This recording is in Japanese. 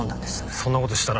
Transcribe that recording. そんな事したら。